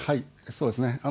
そうですね。